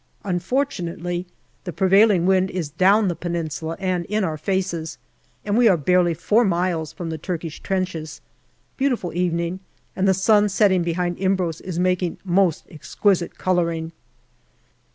Unfortunately, the prevailing wind is down the Peninsula and in our faces, and we are barely four miles from the Turkish trenches. Beautiful evening, and the sun setting behind Imbros is making most exquisite colouring.